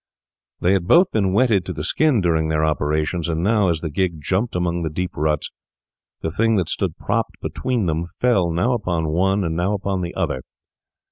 They had both been wetted to the skin during their operations, and now, as the gig jumped among the deep ruts, the thing that stood propped between them fell now upon one and now upon the other.